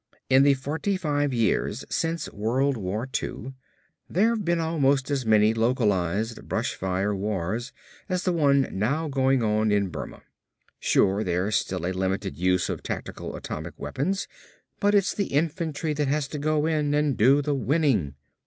In the forty five years since World War II, there've been almost as many localized, 'brush fire' wars as the one now going on in Burma. Sure, there's still a limited use of tactical atomic weapons, but it's still the infantry that has to go in and do the winning.